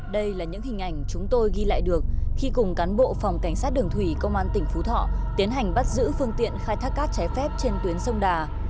đây là những hình ảnh chúng tôi ghi lại được khi cùng cán bộ phòng cảnh sát đường thủy công an tỉnh phú thọ tiến hành bắt giữ phương tiện khai thác cát trái phép trên tuyến sông đà